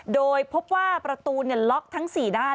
โดยพบว่าประตูล็อกทั้ง๔ด้าน